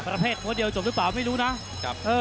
ประเภทหัวเดียวจบหรือเปล่าไม่รู้นะ